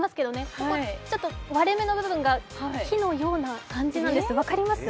ここ、割れ目の部分が木のような感じなんです、分かりますか？